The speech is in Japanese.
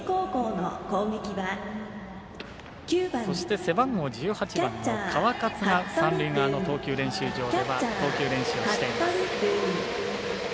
そして背番号１８番の川勝が三塁側の投球練習場で練習をしています。